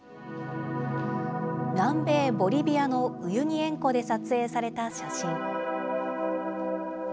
南米ボリビアのウユニ塩湖で撮影された写真。